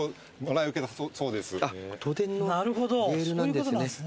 あっ都電のレールなんですね。